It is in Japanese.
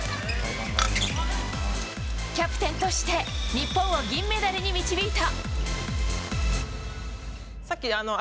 キャプテンとして日本を銀メダルに導いた。